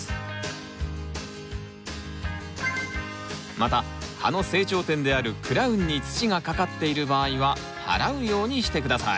また葉の成長点であるクラウンに土がかかっている場合ははらうようにして下さい。